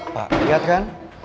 pak lihat kan